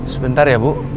sebentar ya bu